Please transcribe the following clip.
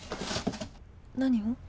何を？